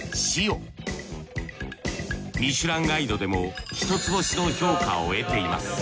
ミシュランガイドでも一つ星の評価を得ています。